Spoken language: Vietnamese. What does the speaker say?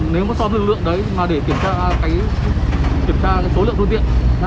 nếu mà so với lực lượng đấy mà để kiểm soát số lượng phương tiện